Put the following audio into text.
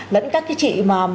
lẫn các chị